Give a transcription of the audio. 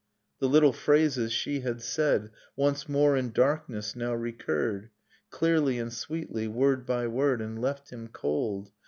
... The little phrases she had said Once more in darkness now recurred, Clearly and sweetly, word by word, — And left him cold